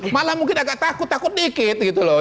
malah mungkin agak takut takut dikit gitu loh